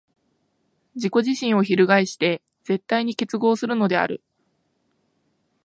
自己自身を翻して絶対に結合するのである。